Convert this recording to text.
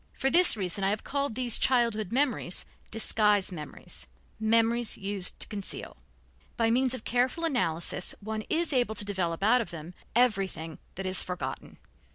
For this reason I have called these childhood memories "disguise memories," memories used to conceal; by means of careful analysis one is able to develop out of them everything that is forgotten.